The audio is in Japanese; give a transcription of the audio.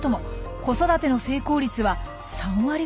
子育ての成功率は３割ほどです。